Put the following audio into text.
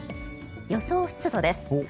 予想湿度です。